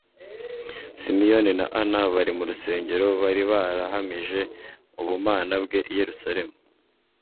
Simiyoni na Ana bari mu rusengero bari barahamije ubumana bwe i Yerusalemu.